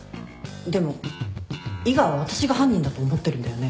でも伊賀は私が犯人だと思ってるんだよね？